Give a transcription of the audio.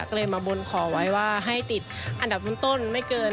ก็เลยมาบนขอไว้ว่าให้ติดอันดับต้นไม่เกิน